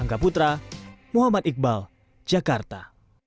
kita muhammad iqbal jakarta